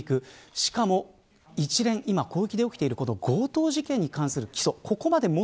しかも一連今、広域で起きている強盗事件に関する起訴